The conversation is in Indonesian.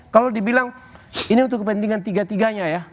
kalau dibilang ini untuk kepentingan tiga tiganya ya